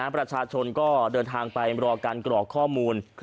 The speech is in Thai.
ประชาชนก็เดินทางไปรอการกรอกข้อมูล